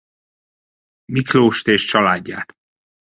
Miklóst és családját.